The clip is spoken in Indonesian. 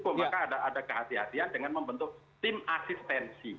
maka ada kehatian dengan membentuk tim asistensi